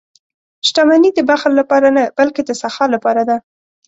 • شتمني د بخل لپاره نه، بلکې د سخا لپاره ده.